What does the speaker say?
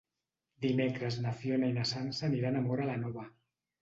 Dimecres na Fiona i na Sança aniran a Móra la Nova.